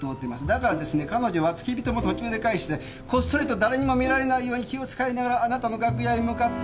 だからですね彼女は付き人も途中で帰してこっそりと誰にも見られないように気を使いながらあなたの楽屋へ向かった。